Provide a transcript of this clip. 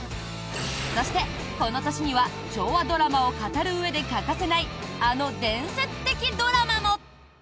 そして、この年には昭和ドラマを語るうえで欠かせないあの伝説的ドラマも！